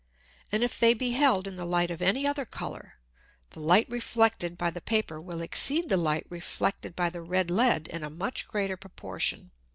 And if they be held in the Light of any other Colour, the Light reflected by the Paper will exceed the Light reflected by the red Lead in a much greater Proportion.